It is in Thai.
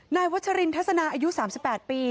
วัชรินทัศนาอายุ๓๘ปี